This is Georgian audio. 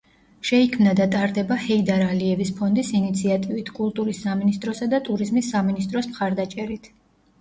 შეიქმნა და ტარდება ჰეიდარ ალიევის ფონდის ინიციატივით, კულტურის სამინისტროსა და ტურიზმის სამინისტროს მხარდაჭერით.